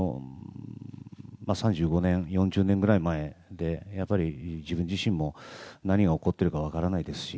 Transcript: ３５年、４０年ぐらい前でやっぱり自分自身も何が起こってるか分からないですし